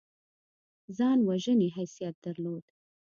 ځان وژنې حیثیت درلود.